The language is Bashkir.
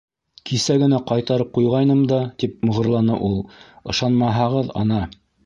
- Кисә генә ҡайтарып ҡуйғайным да, - тип мығырланы ул, - ышанмаһағыҙ ана...